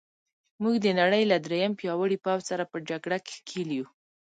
موږ د نړۍ له درېیم پیاوړي پوځ سره په جګړه کې ښکېل یو.